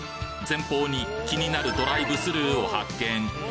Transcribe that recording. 前方に気になるドライブスルーを発見